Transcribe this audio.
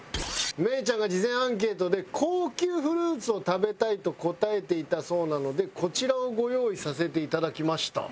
芽郁ちゃんが事前アンケートで高級フルーツを食べたいと答えていたそうなのでこちらをご用意させて頂きました。